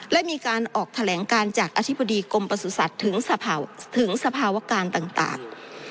และมีการออกแถลงการจากอธิบดีกรมประสุทธิ์ถึงสภาวการต่าง